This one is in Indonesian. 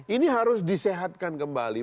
ini harus disehatkan kembali